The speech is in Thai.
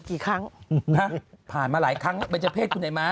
กี่ครั้งภาพมาหลายครั้งเบรจเภสคุณไหนม้า